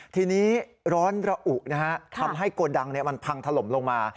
ทีนี้ร้อนระอุนะฮะทำให้โกดังมันพังถล่มลงมา